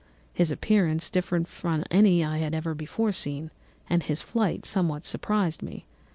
His appearance, different from any I had ever before seen, and his flight somewhat surprised me.